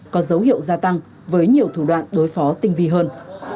có dấu hiệu gia tăng với nhiều thủ đoạn đối phó tinh vi hơn